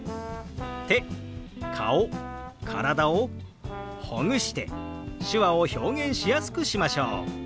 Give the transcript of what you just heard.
手顔体をほぐして手話を表現しやすくしましょう！